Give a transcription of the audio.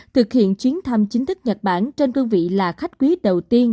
thực hiện chuyến thăm chính thức nhật bản trên cương vị là khách quý đầu tiên